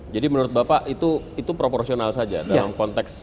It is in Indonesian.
jadi menurut bapak itu proporsional saja dalam konteks